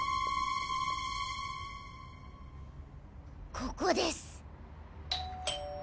ここです！